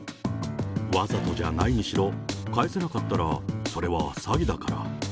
わざとじゃないにしろ、返せなかったらそれは詐欺だから。